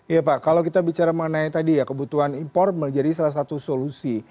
iya pak kalau kita bicara mengenai tadi ya kebutuhan impor menjadi salah satu solusi